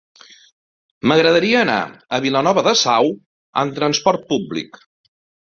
M'agradaria anar a Vilanova de Sau amb trasport públic.